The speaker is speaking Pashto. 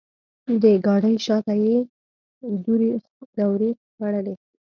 د ګاډۍ شاته یې دورې خوړلې.